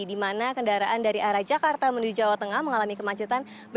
di mana kendaraan dari arah jakarta menuju jawa tengah mengalami kemacetan